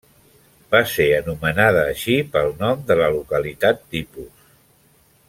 Va ser anomenada així pel nom de la localitat tipus.